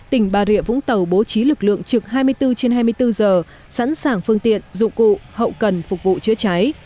tỉnh bà rịa vũng tàu bố trí lực lượng trực hai mươi bốn trên hai mươi bốn giờ sẵn sàng phương tiện dụng cụ hậu cần phục vụ chữa cháy